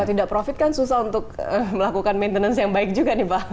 tidak profit kan susah untuk melakukan maintenance yang baik juga nih pak